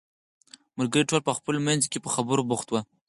ملګري ټول په خپلو منځو کې په خبرو بوخت وو.